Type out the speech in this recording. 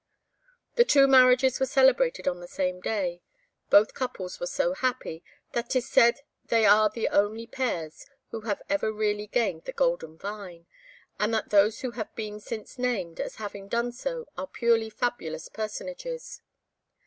The two marriages were celebrated on the same day. Both couples were so happy, that 'tis said they are the only pairs who have ever really gained the golden Vine, and that those who have been since named as having done so are purely fabulous personages.